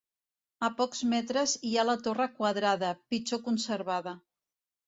A pocs metres hi ha la torre quadrada, pitjor conservada.